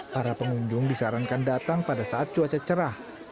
para pengunjung disarankan datang pada saat cuaca cerah